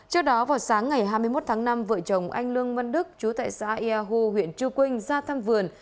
trước đó vào sáng ngày hai mươi một tháng năm vợ chồng anh lương văn đức chú tại xã ia hô huyện trư quynh ra thăm vườn